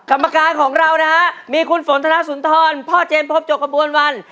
กรรมการของเรามีคุณฝนธนศูนย์ท่อนพ่อเจมส์พบโจกคลบประวันวรรณ